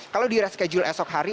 kalau di reschedule esok hari